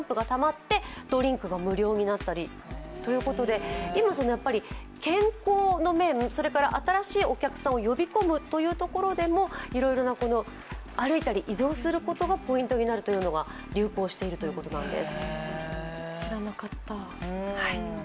他にも今、健康の面、それから新しいお客さんを呼び込むというところでもいろいろな歩いたり、移動することがポイントになるということが流行しているということなんです。